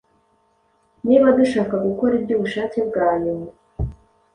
Niba dushaka gukora iby’ubushake bwayo,